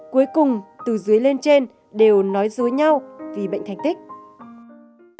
cuối cùng từ dưới lên trên đều nói dối nhau vì bệnh thành tích